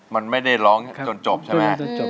มันไม่ได้ร้องจนจบใช่ไหม